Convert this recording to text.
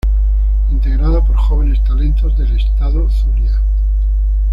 Integrado por jóvenes talentos del estado Zulia.